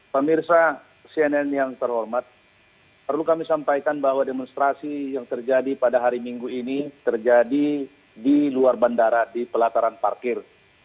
pemirsa cnn yang terhormat perlu kami sampaikan bahwa demonstrasi yang terjadi pada hari minggu ini terjadi di luar bandara di pelataran parkir